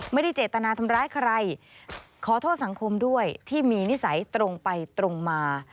ไม่ได้เจตนาทำร้ายใครขอโทษสังคมด้วยที่มีนิสัยตรงไปตรงมา